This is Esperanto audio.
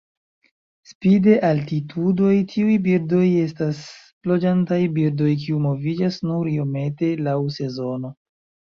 Spite altitudoj tiuj birdoj estas loĝantaj birdoj kiuj moviĝas nur iomete laŭ sezono.